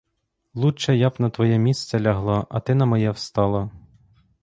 Лучче б я на твоє місце лягла, а ти на моє встала!